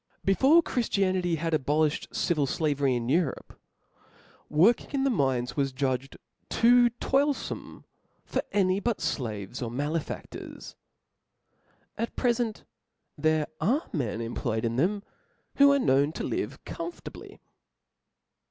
Before Chrifti anity had abolifhed civil flavery in Europe, work ing in the mines was judged too toilfome for aiiy but {laves or malefadlors : at prefent there are m^n employed in them, who are known to live ♦ com fortably.